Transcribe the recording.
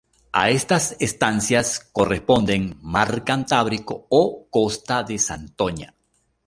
A estas estancias corresponden "Mar Cantábrico" o "Costa de Santoña".